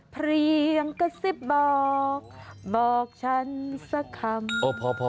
เพลียงกระซิบบอกบอกฉันสักคำ